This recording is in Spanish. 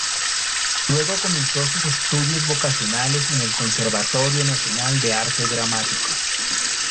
Luego comenzó sus estudios vocacionales en el Conservatorio Nacional de Arte Dramático.